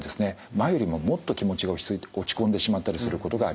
前よりももっと気持ちが落ち込んでしまったりすることがあります。